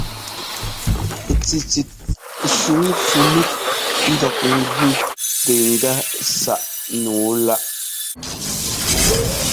Tsitsit shuŋ fʉmík ńdɔk ŋ́gʉ tɛ ŋga saꞌ nǔu láꞌ.